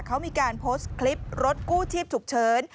เขามีการโพสต์คลิปรถกู้ชีพฉุกเฉิน